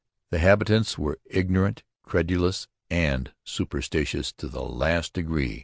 The habitants were ignorant, credulous, and suspicious to the last degree.